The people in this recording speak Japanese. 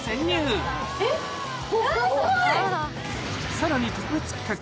さらに特別企画！